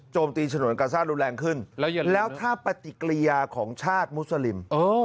ตีฉนวนกาซ่ารุนแรงขึ้นแล้วถ้าปฏิกิริยาของชาติมุสลิม